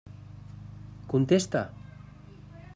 Contesta!